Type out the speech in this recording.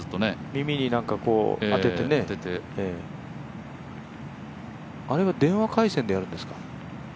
耳に当ててね、あれは電話回線でやるんですか？